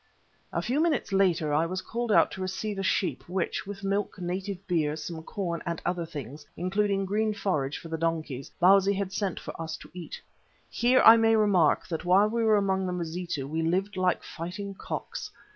A few minutes later I was called out to receive a sheep which, with milk, native beer, some corn, and other things, including green forage for the donkeys, Bausi had sent for us to eat. Here I may remark that while we were among the Mazitu we lived like fighting cocks.